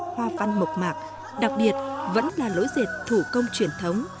hoa văn mộc mạc đặc biệt vẫn là lỗi dệt thủ công truyền thống